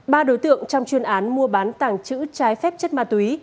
ba đối tượng trong chuyên án mua bán tàng trữ trái phép chất ma túy